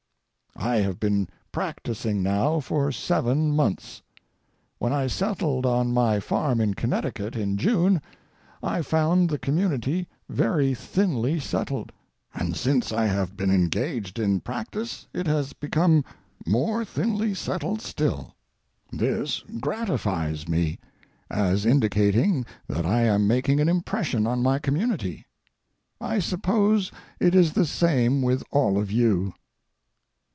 I have been practising now for seven months. When I settled on my farm in Connecticut in June I found the Community very thinly settled—and since I have been engaged in practice it has become more thinly settled still. This gratifies me, as indicating that I am making an impression on my community. I suppose it is the same with all of you.